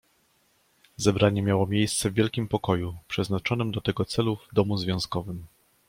"Zebranie miało miejsce w wielkim pokoju, przeznaczonym do tego celu w Domu Związkowym."